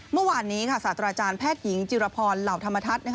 เมื่อวานนี้ค่ะศาสตราจารย์แพทย์หญิงจิรพรเหล่าธรรมทัศน์